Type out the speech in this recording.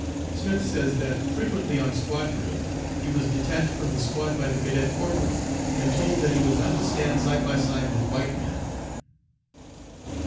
Smith says that frequently on squad drill he was detached from the squad by the cadet corporal, and told that he was not to stand side by side with white men.